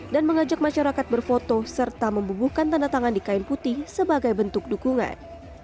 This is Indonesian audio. dan mengajak masyarakat berfoto serta membubuhkan tanda tangan di kain putih sebagai bentuk dukungan